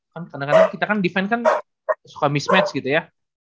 kan kadang kadang kita kan defense kan suka mismatch gitu ya